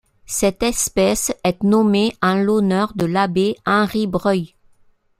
Cette espèce est nommée en l'honneur de l'abbé Henri Breuil.